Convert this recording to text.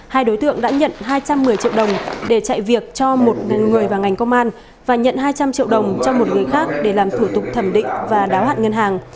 hai đối tượng đã nhận hai trăm một mươi triệu đồng để chạy việc cho một người và ngành công an và nhận hai trăm linh triệu đồng cho một người khác để làm thủ tục thẩm định và đáo hạn ngân hàng